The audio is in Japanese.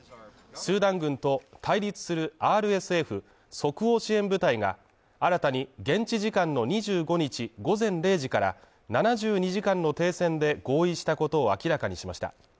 スーダン軍と対立するＲＳＦ＝即応支援部隊が、新たに現地時間の２５日午前０時から７２時間の停戦で合意したことを明らかにしました。